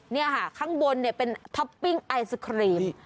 นี่ค่ะข้างบนเนี่ยเป็นท็อปปิ้งไอศครีม